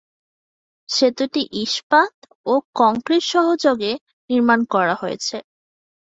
সেতুটি ইস্পাত ও কংক্রিট সহযোগে নির্মাণ করা হয়েছে।